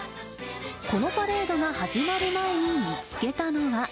このパレードが始まる前に見つけたのは。